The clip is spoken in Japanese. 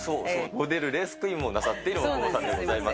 モデル、レースクイーンもなさっている大久保さんでございます。